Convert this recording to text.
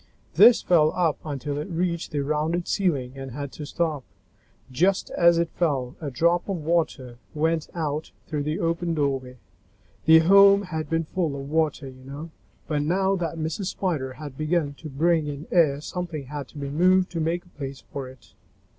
This fell up until it reached the rounded ceiling and had to stop. Just as it fell, a drop of water went out through the open doorway. The home had been full of water, you know, but now that Mrs. Spider had begun to bring in air something had to be moved to make a place for it.